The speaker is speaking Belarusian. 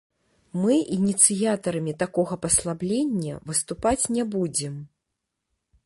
Мы ініцыятарамі такога паслаблення выступаць не будзем.